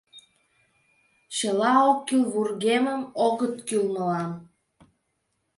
Чыла оккӱл вургемым, огыт кӱл мылам.